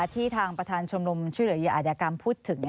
ที่ทางประธานชมรมช่วยเหลือเหยื่ออาจยากรรมพูดถึง